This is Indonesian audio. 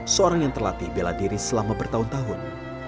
seorang yang terlatih bela diri selama bertahun tahun